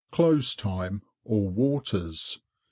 CLOSE TIME—ALL WATERS.